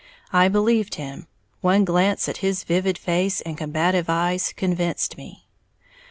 I believed him, one glance at his vivid face and combative eyes convinced me.